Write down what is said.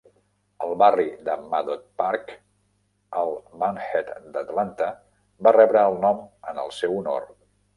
El barri de Maddox Park, al Bankhead d'Atlanta, va rebre el nom en el seu honor.